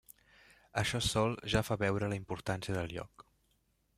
Això sol ja fa veure la importància del lloc.